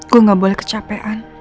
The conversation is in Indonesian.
gue gak boleh kecapean